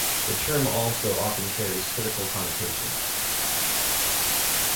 The term also often carries critical connotations.